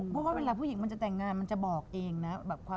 เพราะว่าเวลาผู้หญิงมันจะแต่งงานมันจะบอกเองนะ